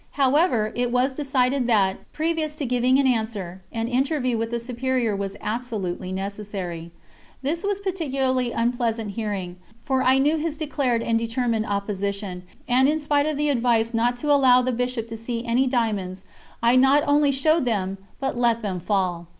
However, it was decided that, previous to giving an answer, an interview with the Superior was absolutely necessary. This was particularly unpleasant hearing, for I knew his declared and determined opposition; and, in spite of the advice not to allow the Bishop to see any diamonds, I not only showed them but let them fall.